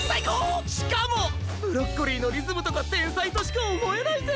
しかもブロッコリーのリズムとかてんさいとしかおもえないぜ！